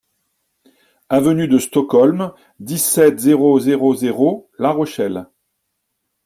Avenue DE STOCKHOLM, dix-sept, zéro zéro zéro La Rochelle